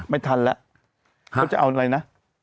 ไม่ทันแล้วเขาจะเอาอะไรนะ